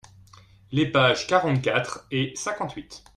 Les pages quarante-quatre et cinquante-huit.